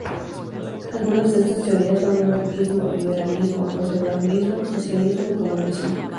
Algunas de estas teorías son anarquismo, liberalismo, conservadurismo, socialismo y comunismo.